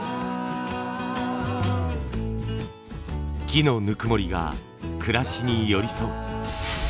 木のぬくもりが暮らしに寄り添う。